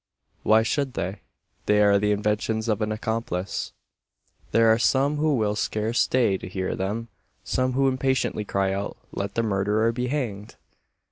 Why should they? They are the inventions of an accomplice. There are some who will scarce stay to hear them some who impatiently cry out, "Let the murderer be hanged!"